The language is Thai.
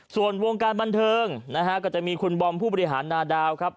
ส่วนวงการบันเทิงนะฮะก็จะมีคุณบอมผู้บริหารนาดาวครับ